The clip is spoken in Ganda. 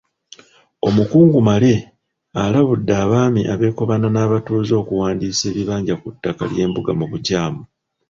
Omukungu Male alabudde Abaami abeekobaana n’abatuuze okuwandiisa ebibanja ku ttaka ly’embuga mu bukyamu.